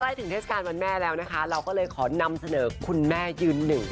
ถึงเทศกาลวันแม่แล้วนะคะเราก็เลยขอนำเสนอคุณแม่ยืนหนึ่ง